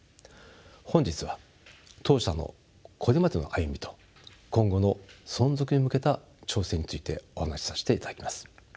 本日は当社のこれまでの歩みと今後の存続へ向けた挑戦についてお話しさせていただきます。